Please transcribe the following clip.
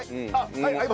はい！